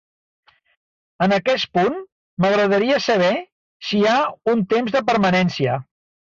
En aquest punt, m'agradaria saber si hi ha un temps de permanència.